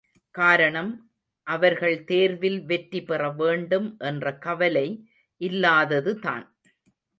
காரணம், அவர்கள் தேர்வில் வெற்றி பெற வேண்டும் என்ற கவலை இல்லாததுதான்!